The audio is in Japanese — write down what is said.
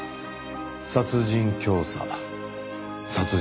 殺人教唆殺人幇助。